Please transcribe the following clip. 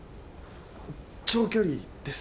長距離です。